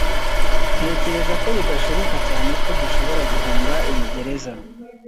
Ntekereza ko bidashoboka cyane ko dushobora guhunga iyi gereza